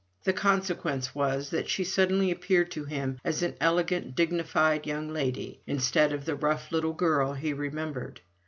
The consequence was, that she suddenly appeared to him as an elegant dignified young lady, instead of the rough little girl he remembered.